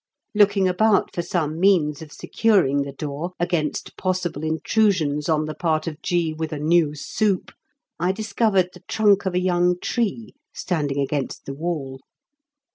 Looking about for some means of securing the door against possible intrusions on the part of G. with a new soup, I discovered the trunk of a young tree standing against the wall.